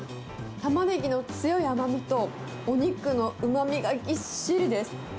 タマネギの強い甘みと、お肉のうまみがぎっしりです。